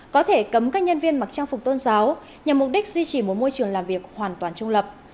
có thể cấm các nhân viên mặc trang phục tôn giáo nhằm mục đích duy trì một môi trường làm việc hoàn toàn trung lập